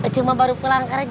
cuma baru pulang kerja